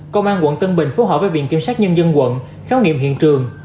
công an quận tân bình phối hợp với viện kiểm sát nhân dân quận khám nghiệm hiện trường